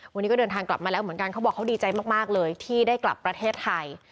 วันนี้ก็เดินทางกลับมาแล้วเหมือนกันเขาบอกเขาดีใจมากเลยที่ได้กลับประเทศไทย